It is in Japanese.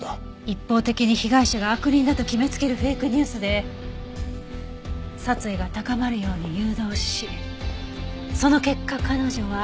一方的に被害者が悪人だと決めつけるフェイクニュースで殺意が高まるように誘導しその結果彼女は。